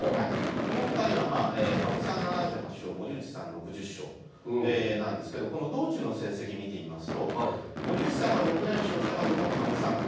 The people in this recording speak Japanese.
この２人はまあ羽生さん７８勝森内さん６０勝なんですけどこの道中の成績見てみますと森内さんが６連勝したかと思うと羽生さんが５連勝。